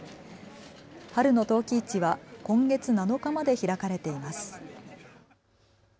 春の陶器市は今月７日まで開かれています。